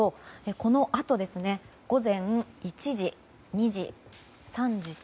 このあと午前１時、２時、３時と